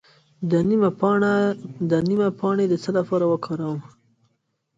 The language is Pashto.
د نیم پاڼې د څه لپاره وکاروم؟